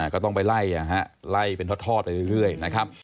ก็ต้องไปไล่ไล่เป็นทอดไปเรื่อยนะครับ